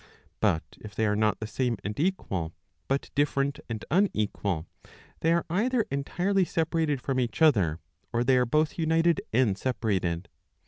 But if they are not the same and equal, but different and unequal, they are either entirely separated from each other, or they are both united and separated.